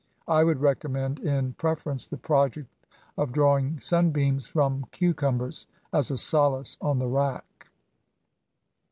I would recommend, in preference, the project of drawing sunbeams from cucumbers, as a solace on the rack.